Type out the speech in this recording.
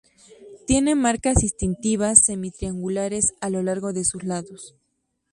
Tiene marcas distintivas semi-triangulares a lo largo de sus lados.